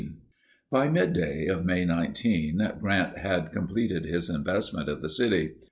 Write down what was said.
By midday of May 19, Grant had completed his investment of the city.